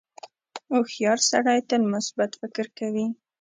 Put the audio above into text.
• هوښیار سړی تل مثبت فکر کوي.